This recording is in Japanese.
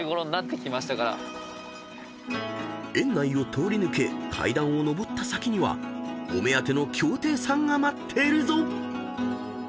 ［園内を通り抜け階段を上った先にはお目当ての「京亭」さんが待っているぞ］